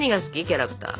キャラクター。